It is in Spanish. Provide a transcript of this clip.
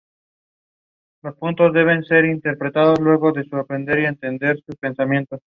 que nosotros hubiéramos partido